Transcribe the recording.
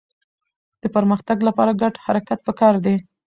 د پرمختګ لپاره ګډ حرکت پکار دی.